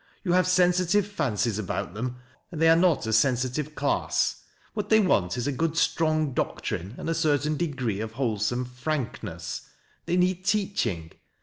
You have sensilive fancies about them, and they are not a sensitive class. "What they want is good strong doctrine, and a certain cegrefe of wkolesome frankness. They need teaching.